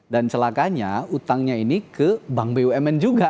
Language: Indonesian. dan celakanya utangnya ini ke bank bumn juga